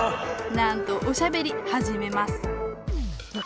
なんとおしゃべりはじめます